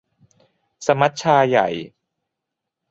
สมัชชาใหญ่